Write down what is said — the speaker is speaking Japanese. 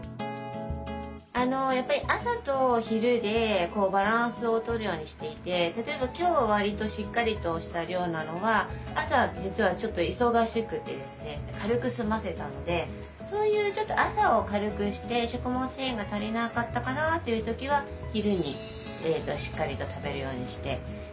朝と昼でバランスを取るようにしていて例えば今日割としっかりとした量なのは朝実はちょっと忙しくてですね軽く済ませたのでそういうちょっと朝を軽くして食物繊維が足りなかったかなという時は昼にしっかりと食べるようにして。